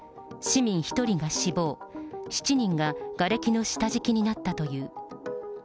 市民１人が死亡、７人ががれきの下敷きになったという。